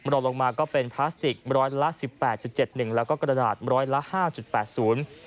ลงมาก็เป็นพลาสติกร้อยละสิบแปดจุดเจ็ดหนึ่งแล้วก็กระดาษร้อยละห้าจุดแปดศูนย์